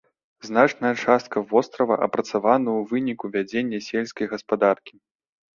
Значная частка вострава апрацавана ў выніку вядзення сельскай гаспадаркі.